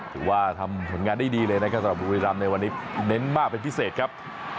ถือว่าทำผลงานได้ดีเลยนะครับสำหรับบุรีรำในวันนี้เน้นมากเป็นพิเศษครับ